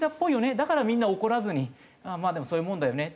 だからみんな怒らずにまあでもそういうもんだよねって。